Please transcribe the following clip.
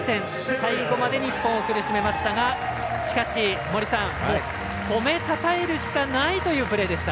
最後まで日本を苦しめましたがしかし、褒め称えるしかないというプレーでした。